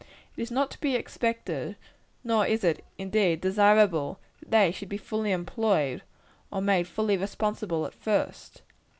It is not expected, nor is it indeed desirable, that they should be fully employed, or made fully responsible, at first.